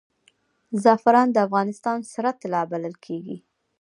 زعفران د افغانستان سره طلا بلل کیږي